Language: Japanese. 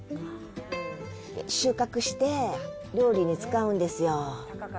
収穫して、料理に使うんですよ。